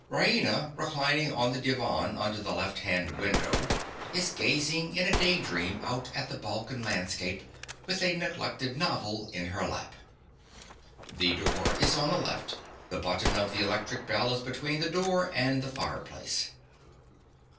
Raina, reclining on the divan under the left hand window, is gazing in a daydream out at the Balkan landscape, with a neglected novel in her lap. The door is on the left. The button of the electric bell is between the door and the fireplace.